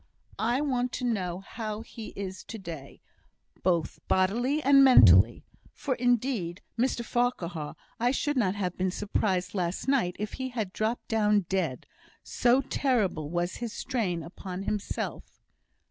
I want to know how he is to day, both bodily and mentally; for indeed, Mr Farquhar, I should not have been surprised last night if he had dropped down dead, so terrible was his strain upon himself."